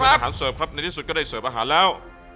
เป็นอาหารเสิร์ฟครับในที่สุดก็ได้เสิร์ฟอาหารแล้ว